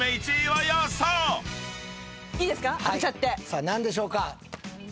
さあ何でしょうか？